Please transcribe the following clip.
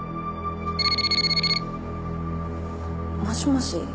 もしもし。